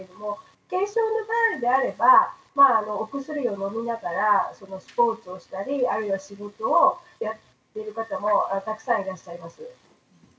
軽症の場合であればお薬を飲みながらスポーツをしたりあるいは仕事をやっている方もたくさんいらっしゃいます。